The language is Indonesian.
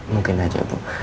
mungkin aja bu